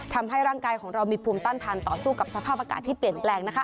ทำให้ร่างกายของเรามีภูมิต้านทานต่อสู้กับสภาพอากาศที่เปลี่ยนแปลง